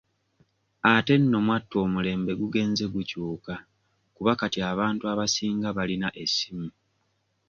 Ate nno mwattu omulembe gugenze gukyuka kuba kati abantu abasinga balina essimu.